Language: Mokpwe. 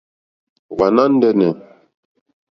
Wàná ndɛ́nɛ̀.